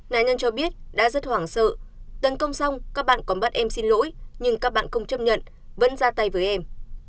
nạn nhân cho biết đã rất hoảng sợ tấn công xong các bạn còn bắt em xin lỗi nhưng các bạn không chấp nhận vẫn ra tay với em